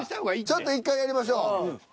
ちょっと１回やりましょう。